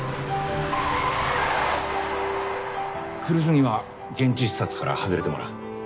（ブレーキ音来栖には現地視察から外れてもらう。